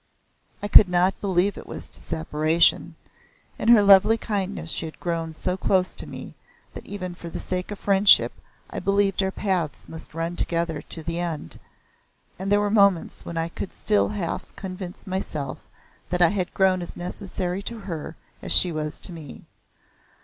I could not believe it was to separation in her lovely kindness she had grown so close to me that, even for the sake of friendship, I believed our paths must run together to the end, and there were moments when I could still half convince myself that I had grown as necessary to her as she was to me.